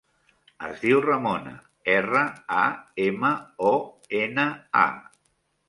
Es diu Ramona: erra, a, ema, o, ena, a.